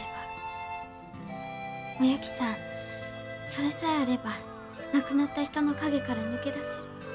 それさえあれば亡くなった人の陰から抜け出せる。